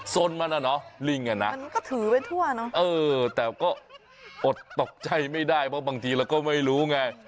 ซนมันอ่ะเนอะลิงอ่ะนะแต่ก็อดตกใจไม่ได้เพราะบางทีเราก็ไม่รู้ไง